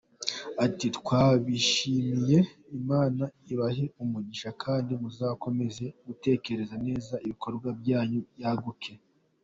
Ati " Twabyishimiye Imana ibahe umugisha kandi muzakomeze gutekereza neza ibikorwa byanyu byaguke.